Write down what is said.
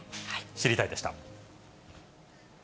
知りたいッ！でした。